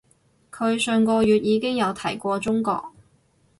佢上個月已經有提過中國